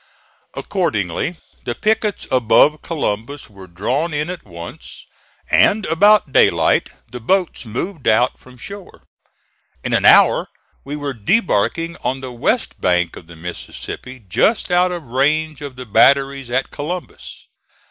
Accordingly, the pickets above Columbus were drawn in at once, and about daylight the boats moved out from shore. In an hour we were debarking on the west bank of the Mississippi, just out of range of the batteries at Columbus.